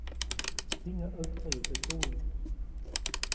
Jiŋäʼ ʼaktsayu teʼ tuwiʼ.